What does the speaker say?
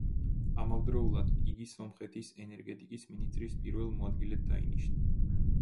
ამავდროულად, იგი სომხეთის ენერგეტიკის მინისტრის პირველ მოადგილედ დაინიშნა.